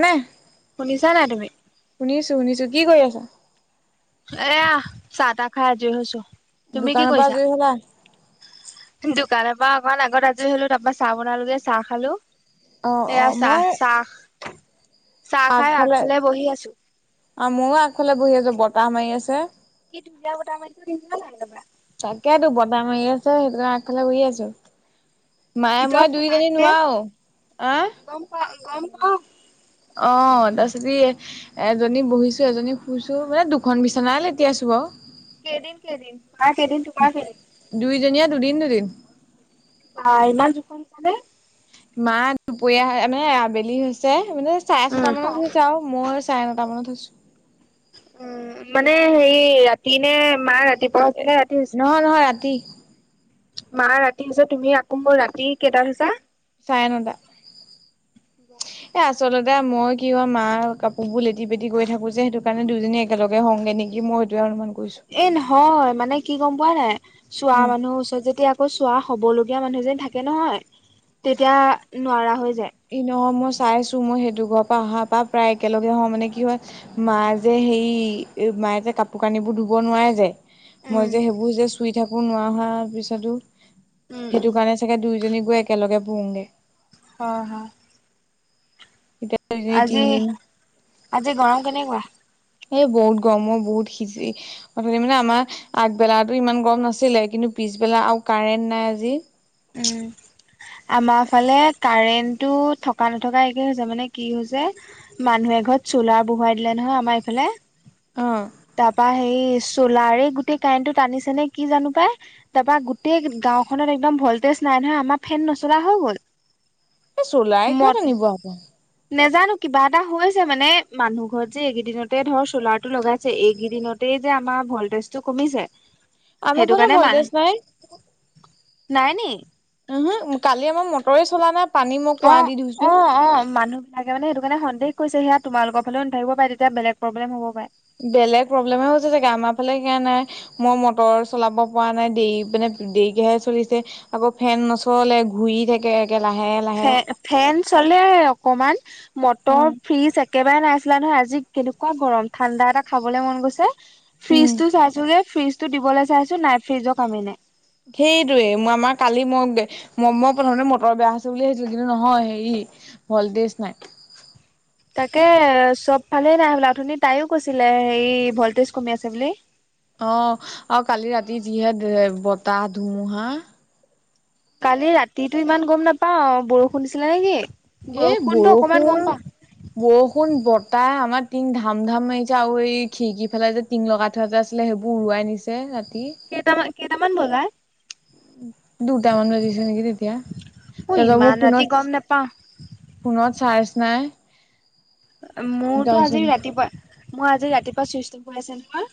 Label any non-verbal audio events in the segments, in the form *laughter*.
নে শুনিছা নাই তুমি? শুনিছো শুনিছো, কি কৰি আছা? এয়া, চাহ তাহ খাই আজৰি হৈছো। তুমি কি দোকানৰ পৰা কৰিছা? আজৰি হ'লা? দোকানৰ পৰা অকমান আগত আজৰি হ'লো, তাৰ পৰা চাহ বনালোঁগৈ, চাহ খালো অ অ এয়া, মই চাহ-চাহ চাহ খাই আগফালে বহি আছো। অ', ময়ো আগফালে বহি আছোঁ, বতাহ মাৰি আছে। তাকেইতো বতাহ মাৰি আছে, সেইকাৰণে আগফালে বহি আছোঁ। মায়ে ভিতৰত মইয়ে দুইজনীয়ে থকাতকে নোৱাৰা, অ'? গম পা *unintelligible* অ', তাৰপিছত এই এজনী বহিছো, এজনী শুইছো, মানে দুখন বিচনাই লেতিয়াইছো বাৰু। কেইদিন কেইদিন, মাৰ কেইদিন তোমাৰ কেইদিন? দুইজনীয়ে দুদিন দুদিন। বা, ইমান জোখত হৈছানে? মা দুপৰীয়া মানে আবেলি হৈছে মানে চাৰে উম ছটা মানত হৈছে আৰু, মই চাৰে নটা মানত হৈছো। উম, মানে হেৰি ৰাতি নে মা ৰাতিপুৱা হৈছেনে ৰাতি হৈছে? নহয় নহয় ৰাতি মা ৰাতি হৈছে, তুমি আকৌ মোৰ ৰাতি কেইটাত হৈছা? চাৰে নটা, এ আচ চলতে মই কি কৰোঁ, মাৰ কাপোৰবোৰ লেটি পেটি কৰি থাকোঁ যে, সেইটো কাৰণে দুই জনী একেলগে হওঁগে নেকি, মোৰ সেইটোহে অনুমান কৰিছো এ নহয়, মানে কি গম পোৱা নাই, চুৱা হে মানুহৰ ওচৰত যদি আক আকৌ চুৱা হ'বলগীয়া মানুহএজনী থাকে নহয়, তেতিয়া নোৱাৰা হৈ যায়। *unintelligible* চাইছোঁ, মই সেইটো ঘৰৰ পৰা অহাৰ পৰা প্ৰায় একেলগে হওঁ, মানে কি হয় মা যে হেৰি মায়ে যে কাপোৰ কানিবোৰ ধুব নোৱাৰে যে, উম মই যে সেইবোৰ যে চুই থাকোঁ নোৱাৰা হোৱাৰ পিছতো উম উম সেইটোকাৰণে চাগে দুয়োজনী গৈ একেলগে পৰোগে। হয় হয়। এতিয়া আজি তিনিদিন আজি গৰম কেনেকুৱা? এই বহুত গৰম ঔ, বহুত সিঁজি, অথনি মানে আমাৰ আগবেলাটো ইমান গৰম নাছিলে, কিন্তু পিছবেলা আৰু কাৰেন্ট নাই আজি। উম আমাৰ ফালে কাৰেণ্টটো থকা নথকা একে হৈছে, মানে কি হৈছে মানুহ এঘৰত চ'লাৰ বহুৱাই দিলে নহয় আমাৰ এইফালে, অ তাৰপৰা হেৰি চ' চ'লাৰেই গোটেই কাৰেণ্টটো টানিছে নে কি জানো পাই, তাৰপৰা গোটেই গাঁওখনত একদম ভল টেজ নাই নহয়, আমাৰ ফেন নচলা হৈ গ'ল। এই চ'লাৰে কিয় মত টানিব আকৌ? নেজানো কিবা এটা হৈছে মানে, মানুহ ঘৰত যে এইকেইদিনতে ধৰ চ'লাৰটো লগাইছে, এইকেইদিনতেই এই যে আমাৰ ভলটেজটো কমিছে আমাৰ সেইটো ফালও কাৰণে মান ভলটেজ নাই। নাই নি? উহু, কালি আমাৰ মটৰেই চলা নাই পানী মই কুঁৱা অ', দি ধুইছো অ' অ', মানুহবিলাকে মানে সেইটো কাৰণে সন্দেহ কৈছে, সেয়া তোমালোকৰ ফালেও নাথাকিব পাৰে, তেতিয়া বেলেগ প্ৰবলেম হ'ব পাৰে। বেলেগ প্ৰব্লেমহে হৈছে চাগে, আমাৰ ফালে সেইয়া নাই, মই মটৰ চলাব পৰা নাই, দেৰি মানে দেৰিকেহে চলিছে, আকৌ ফেন নচলে, ঘূৰি থাকে একে লাহে লাহে ফে-ফেন চলে অকমান, অ মটৰ ফ্ৰিজ এক কেবাৰে নাই চলা নহয়, আজি কেনেকুৱা গৰম, ঠাণ্ডা এটা খাবলৈ মন গৈছে উম ফ্ৰিজ টো চাইছো যে ফ্ৰিজ টো দিবলৈ চাইছো নাই ফ্ৰিজৰ কামে নাই। সেইটোয়ে মই আমাৰ কালি মই -মই প্ৰথমতে মটৰ বেয়া হৈছে বুলি ভাবিছিলো কিন্তু নহয় হেৰি ভল্টেজ নাই। উ তাকে চব ফালে নাই হ'ল অথনি তাইও কৈছিলে হেৰি ভল্টেজ কমি আছে বুলি। অ' আৰু কালি ৰাতি যিহে বতাহ ধুমুহা। কালি ৰাতিৰটো ইমান গম নাপাও বৰষুণ দিছিলে নেকি? এ, বৰষুণতো অকমান গম বৰষুণ পাওঁ বৰষুণ বতাহ আমাৰ তিং ধাম ধাম আহিছে আৰু এই খিৰিকি ফালে যে টিং লগাই থোৱা এটা আছিলে সেইবোৰ উৰুৱাই নিছে ৰা কেইটামান-কেইটামান বজাত? দুটামান বাজিছে নেকি তেতিয়া অ তাৰপছত মোৰ ইমান ৰাতি ফোনত গম নাপাও ফোনত চাৰ্জ নাই। মোৰতো আজি তাৰপিছত ৰাতিপুৱা মই আজি ৰাতিপুৱা *unintelligible* হৈ আছে নহয়।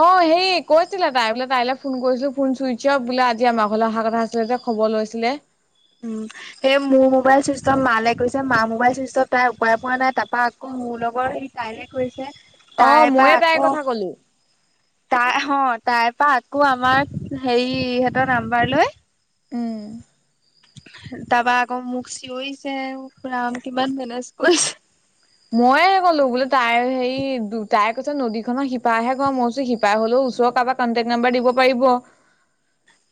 অ' হেই কৈছিলে তাই বোলে তাই ফোন কৰিছিলো ফোন চুইচ অফ বোলে আজি আমাৰ ঘলৈ অহা কথা আছিলে যে খবৰ লৈছিলে। উম, সেই মোৰ মোবাইল চুইটচ অফ মালে কৰিছে মা মোবাইল চুইটচ অফ তাই উপাই পোৱা নাই তাৰপা আকৌ মোৰ লগৰ সেই তাইলে কৰিছে অ তাইৰ পৰা ময়ে তাইৰ আকৌ কথা কলো তাই অ' তাই পৰা আকৌ আমাক হেৰি হঁতৰ নাম্বাৰ লৈ উম। তাৰপা আকৌ মোক চিঞৰিছে উফ্ ৰাম কিমান মেনেজ কৰিছে। ময়ে ক'লো বোলো তাইৰ হেৰি তাই কৈছে নদী খনৰ সিপাৰেহে ঘৰ মই কৈছো সিপাৰে হলেও ওচ কাৰোবাক কণ্টেক্ট নাম্বাৰ দিব পাৰিব।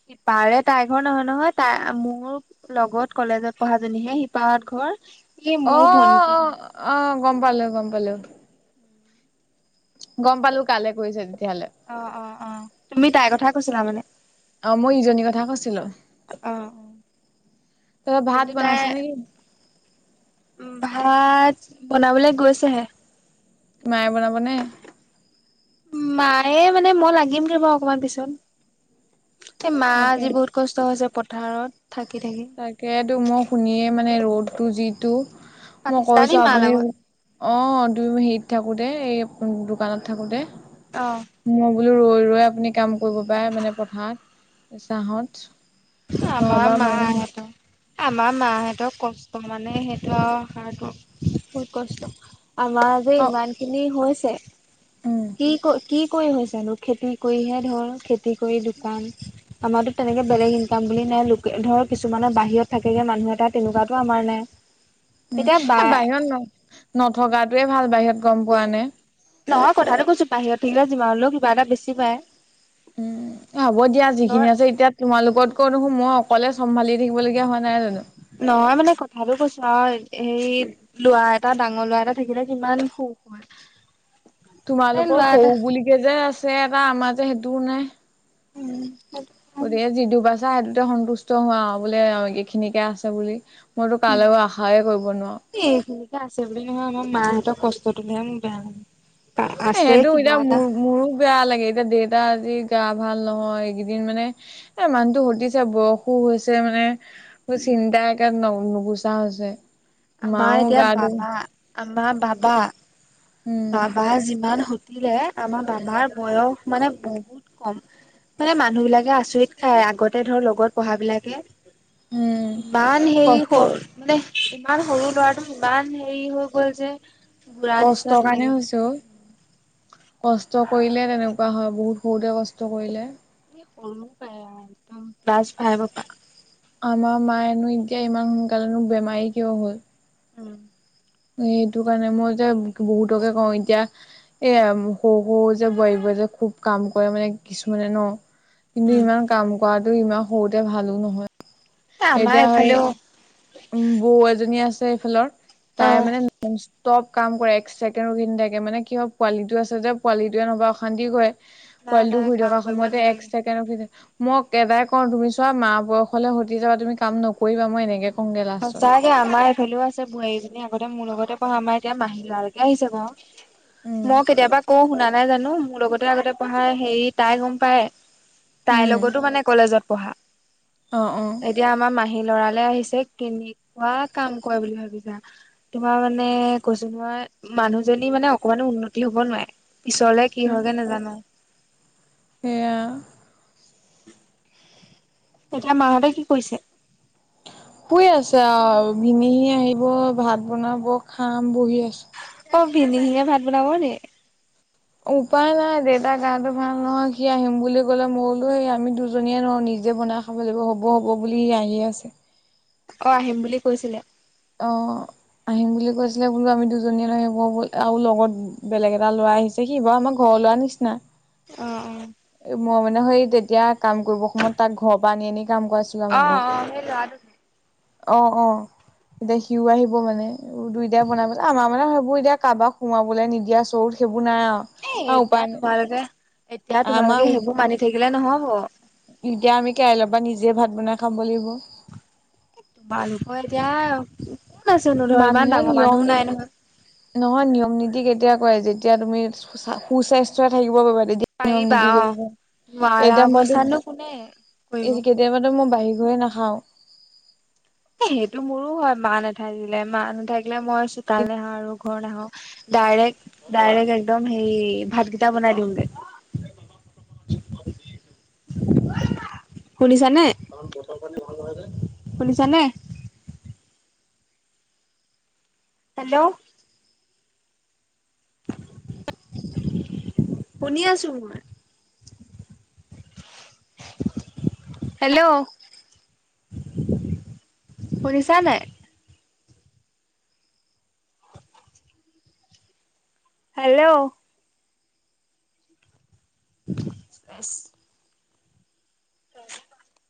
সিপাৰে তাইৰ ঘৰ নহয়, নহয়। তাই, মোৰ লগত কলেজত পঢ়াজনীহে সিপাৰত ঘৰ। এই অ', মোৰ অ', ভন্টিজনী অ', অহ, গম পালোঁ, গম পালোঁ। গম পালোঁ কালে কৰিছে ই অ', অ', অ'। তুমি তাইৰ কথা কৈছিলা মানে? অ', মই ইজনীৰ কথা কৈছিলোঁ। তই ভাত বনাইছ নেকি? উম, ভাত বনাবলৈ গৈছেহে। মায়ে বনাব নে? মায়ে মানে মই লাগিমগৈ বাৰু অকমান পিছত। এই মাৰ তাকে আজি বহুত কষ্ট হৈছে পথাৰত। থাকি থাকি। তাকেইেতো, মই শুনিয়ে মানে ৰ'দটো যিটো মই পাতিছিলা নি কৈছোঁ, মাৰ আপুনি, লগত? অ', দুই মিনিট বহি থাকক। *unintelligible* এই দোকানত থাকো যে অহ ৰৈ ৰৈ আপুনি কাম কৰিব পাৰে মানে পথাৰত, ছাঁত। আমাৰ মা। *unintelligible* আমাৰ মাহতৰ কষ্ট মানে সেইটো আৰু *unintelligible* বহুত কষ্ট। আমাৰ যে অ ইমানখিনি হৈছে, উম কি কৰি কি কৰি হৈছেনো? খেতি কৰিহে ধৰ, খেতি কৰি, দোকান আমাৰতো তেনেকে বেলেগ কাম বুলি নাই। লোকে ধৰ, কিছুমানৰ বাহিৰত থাকেগে মানুহ এটা, তেনেকুৱাতো আমাৰ নাই। উম। এতিয়া বা এ বাহিৰত ন-নথকাটোৱে ভাল বাহিৰত, গম পোৱা নে? নহয় কথাটো কৈছো, বাহিৰত থাকিলে যিমান হ'লেও কিবা এটা বেছি পায়। উম, হ'ব দিয়া, ধৰ যিখিনি আছে এতিয়া তোমালোকতকৈ দেখোন মই অকলে চম্ভালি থাকিবলগীয়া হোৱা নাই জানো? নহয় মানে কথাটো কৈছো, হয়, হেৰি ল'ৰা এটা, ডাঙৰ ল'ৰা এটা থাকিলে কিমান সুখ হয়। মানে তোমালোকৰ ল'ৰা এটা সৰু বুলিব যে আছে এটা, আমাৰ যে সেইটোও নাই। উম। গতিকে যিটো পাইছা সেইটোতে সন্তুষ্ট হোৱা আৰু বোলে এইখিনিকে আছে বুলি। মইতো এ কালৈকে আশাইে কৰিব নোৱাৰো। এইখিনিকে আছে বুলি নহয় আমাৰ মাহঁতৰ কষ্টটো মোৰ বেয়া লাগে। এ আছে সেইটো এতিয়া কিবা এটা মোৰ-মোৰো বেয়া লাগে। এতিয়া দেউতা আজি গা ভাল নহয় এইকেইদিন মানে এ মানুহটো হুদিছে বয়সো হৈছে মানে। মোৰ চিন্তা একদম ন-নুগুচা হৈছে। আমাৰ মাও এতিয়া গাটো বাবা, আমাৰ বাবা উম বাবা যিমান *unintelligible* আমাৰ বাবাৰ বয়স মানে বহুত কম। মানে মানুহবিলাকে আচৰিত খায়। আগতে ধৰ লগত পঢ়াবিলাকে। উম ইমান হেৰি কষ্ট সৰু মানে ইমান সৰু ল'ৰাটো ইমান হেৰি হৈ গ'ল যে বুঢ়া নিচিনা কষ্টৰ কাৰণে তেনেকে হৈছে অ'। কষ্ট কৰিলে তেনেকুৱা হয় বহুত সৰুতে কষ্ট কৰিলে। সৰুৰ পৰাই একদম ক্লাছ ফাইভৰ পৰাই। আমাৰ মায়েনো এতিয়া ইমান সোনকালেনো বেমাৰী কিয় হ'ল? উম। সেইটো কাৰণে। মই যে বহুতকে কওঁ এতিয়া এইয়া সৰু সৰু যে বোৱাৰীবোৰে যে খুব কাম কৰে কিছুমানে ন'। কিন্তু উম, ইমান কাম কৰাটো ইমান সৰুতে ভালো এ নহয়। আমাৰ এতিয়া এইফালেও সেই বৌ এজনী আছে এইফালৰ। তাই অ'। মানে *unintelligible* চব কাম কৰে। এক ছেকেণ্ড ৰখি নাথাকে। মানে কি হয়, পোৱালিটো আছে যে পোৱালিটোৱে নহ'লে অশান্তি কৰে। নাই পোৱালিটো নাই শুই কাম থকা কৰিব সময়তে এক নালাগে। ছেকেণ্ড ৰখি মই এটাই কওঁ, তুমি চোৱা মা বয়সলে হুতি যাবা তুমি কাম নকৰিবা। মই এনেকে কওঁগে লাষ্টত সঁচাকে আমাৰ এইফালেও আছে বোৱাৰী এজনী এনে আগতে মোৰ লগতে পঢ়া। আমাৰ এতিয়া মাহী ল'ৰালৈকে আহিছে বাৰু। উম মই কেতিয়াবা কওঁ শুনা নে নাই জানো মোৰ লগতে আগতে পঢ়া হেৰি তাই গম পায়। তাইৰ উম লগতো মানে কলেজত পঢ়া। অ অ এতিয়া আমাৰ মাহী ল'ৰালে আহিছে। তেনেকুৱা কাম কৰে বুলি ভাবিছা? তোমাৰ মানে কৈছো নহয় মানুহজনী মোৰ মানে অকমানো উন্নতি হ'ব নোৱাৰে। পিছলে কি হয়গে নাজানো। সেয়া! এতিয়া মাহঁতে কি কৰিছে? শুই আছে আৰু, ভিনিহি আহিব ভাত বনাব খাম বহি আছো। অ', ভিনিহিয়ে ভাত বনাব নে? উপায় নাই। দেউতা গাটো ভাল নহয় সি আহিম বুলি ক'লে মই কলো সেই আমি দুজনীয়ে নোৱাৰো নিজে নিজেই বনাই খাব লাগিব। হ'ব হ'ব বুলি আহি আছে। অ', আহিম বুলি কৈছিলে? অ'। আহিম বুলি কৈছিলে বোলো আমি দুজনীয়ে নাহিব আৰু লগত বেলেগ এটা ল'ৰা আহিছে সি বা আমাৰ ঘৰত ওলোৱা নিচিনা। অহ। মই মানে সেই তেতিয়া কাম কৰিব সময়ত তাক ঘৰ পৰা আনি আনি কাম কৰাইছিলো অ অ আমাৰ ঘৰত। অ সেই ল'ৰাটো আহ অ'। এতিয়া সিও আহিব মানে দুইটাই বনাই পেলাই আমাৰ মানে সেইবোৰ এতিয়া কাৰোবাক সোমাবলৈ নিদিয়া চৰুত সেইবোৰ সেইবোৰ নাই এ আৰু এতিয়া উপায় নাই। তোমালোকে এতিয়া তোমালোকে আমাও সেইবোৰ মানি থাকিলে নহ'ব। এতিয়া আমি কাইলৈ পা নিজেই ভাত বনাই খাব লাগিব। বাৰু মই এতিয়া কোন আছেনো ধৰ ইমান মানুহে ডাঙৰ নিয়ম মানুহো নাই নীতি নহয়। নহয় নিয়ম নীতি কেতিয়া কৰে যেতিয়া তুমি সুস্বাস্থ্য থাকিব পাৰিবা। এতিয়া নিয়ম পাৰিবা নীতি কৰিব অ'। পাৰি, নোৱাৰা এতিয়া মইতো, অৱস্থাতনো কোনে কৰিব। কেতিয়াবাটো মই বাহি ঘৰে নাখাওঁ সেইটো মোৰো হয়, মা নাথাকিলে, মা নাথাকিলে মই চোতাল নেশাৰো, ঘৰ নেশাৰো ডাইৰেক্ট, ডাইৰেক্ট, একদম হেই ভাতকেইটা বনাই দিওঁগে শুনিছানে শুনিছা নে? হেল্ল' *inaudible* শুনি আছো হেল্ল' শুনিছা নাই? হেল্ল' *inaudible* *inaudible*